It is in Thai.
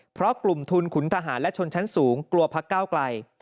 เพราะกลุ่มทุนขุนทหารและชนชั้นสูงกลัวพักก้าวไกล